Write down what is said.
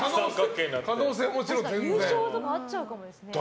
優勝とかあっちゃうかもですね。